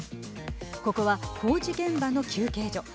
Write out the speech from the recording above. ここは工事現場の休憩所。